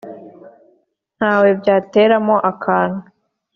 Ntawe byateramo akantu.